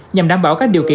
nhằm đảm bảo các điều kiện